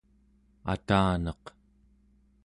ataneq